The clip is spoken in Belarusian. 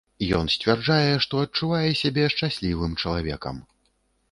Ён сцвярджае, што адчувае сябе шчаслівым чалавекам.